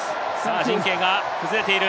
陣形が崩れている。